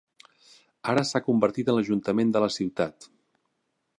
Ara s'ha convertit en l'ajuntament de la ciutat.